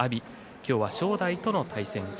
今日は正代との対戦です。